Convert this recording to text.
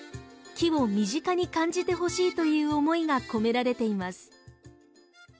木を身近に感じてほしいという思いが込められています。